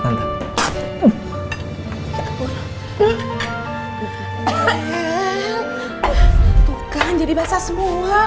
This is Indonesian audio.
enggak anh jadi bahasa semua